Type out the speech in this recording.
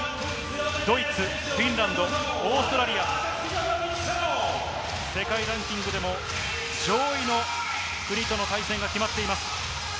ドイツ、フィンランド、オーストラリア、世界ランキングでも上位の国との対戦が決まっています。